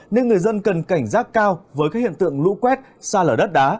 nên người dân cần cảnh giác cao với các hiện tượng lũ quét xa lở đất đá